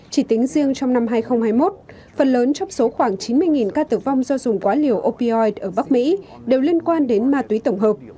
chỉ tính riêng trong năm hai nghìn hai mươi một phần lớn trong số khoảng chín mươi ca tử vong do dùng quá liều opoi ở bắc mỹ đều liên quan đến ma túy tổng hợp